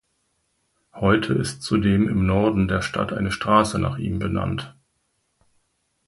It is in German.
Heute ist zudem im Norden der Stadt eine Straße nach ihm benannt.